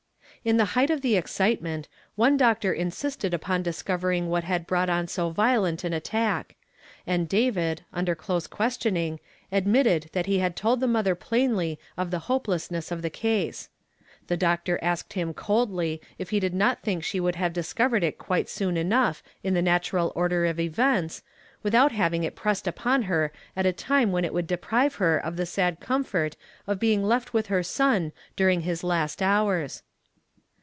In the height of the excitement, one doctor in sisted upon discovering what had brought on so violent an attack ; and David, under close question ing, admitted that he had told the mother plainly of the hopelessness of the case. The doctor asked him coldly if he did not think she would have dis covered it quite soon enough in the natural order of events, without having it pressed upon her at a l^..' "HE IS DESPISED AND REJECTED." 153 time when it would deprive lior of the sad eomfort of heing with her son during his hist liours.